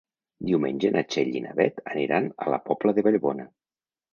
Diumenge na Txell i na Beth aniran a la Pobla de Vallbona.